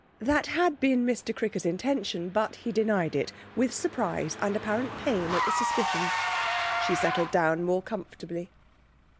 That had been Mr Clicker's intention, but he denied it, with surprise and apparent pain at the suspicion. She settled down more comfortably.